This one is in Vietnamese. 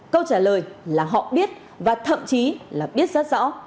câu trả lời là họ biết và thậm chí là biết rất rõ